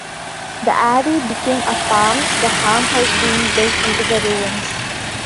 The Abbey became a farm, the farmhouse being built into the ruins.